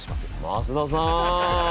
増田さん。